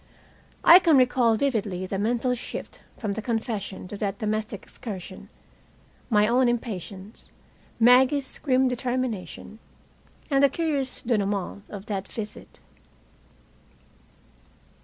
I can recall vividly the mental shift from the confession to that domestic excursion, my own impatience, Maggie's grim determination, and the curious denouement of that visit.